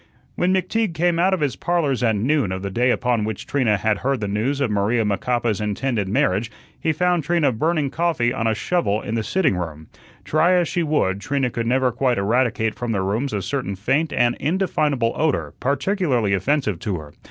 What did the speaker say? When McTeague came out of his "Parlors" at noon of the day upon which Trina had heard the news of Maria Macapa's intended marriage, he found Trina burning coffee on a shovel in the sitting room. Try as she would, Trina could never quite eradicate from their rooms a certain faint and indefinable odor, particularly offensive to her.